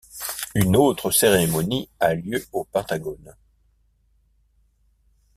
Une autre cérémonie a lieu au Pentagone.